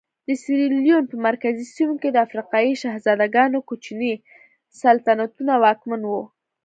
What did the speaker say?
د سیریلیون په مرکزي سیمو کې د افریقایي شهزادګانو کوچني سلطنتونه واکمن وو.